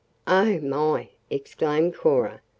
"Oh, my!" exclaimed Cora.